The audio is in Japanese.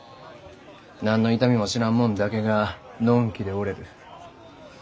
何の痛みも知らん者だけがのんきでおれる。